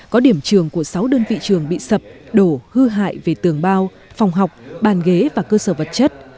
có điểm trường của sáu đơn vị trường bị sập đổ hư hại về tường bao phòng học bàn ghế và cơ sở vật chất